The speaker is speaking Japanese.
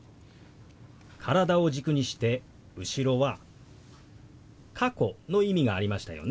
体を軸にして後ろは「過去」の意味がありましたよね。